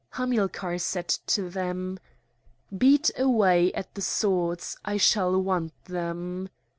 Hamilcar said to them: "Beat away at the swords! I shall want them."